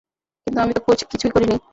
কিন্তু আমি তো কিছুই করিনি।